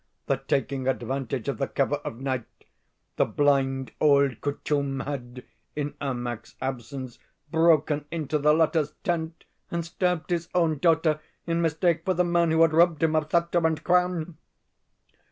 that, taking advantages of the cover of night, the blind old Kouchoum had, in Ermak's absence, broken into the latter's tent, and stabbed his own daughter in mistake for the man who had robbed him of sceptre and crown?